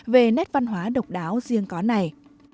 về nét văn hóa độc đáo riêng có này